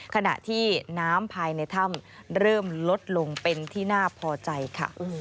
ขณะที่น้ำภายในถ้ำเริ่มลดลงเป็นที่น่าพอใจค่ะ